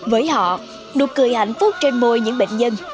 với họ nụ cười hạnh phúc trên môi những bệnh nhân